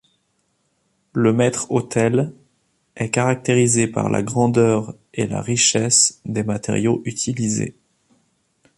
Le maître-autel est caractérisé par la grandeur et la richesse des matériaux utilisés.